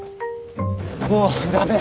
もう駄目。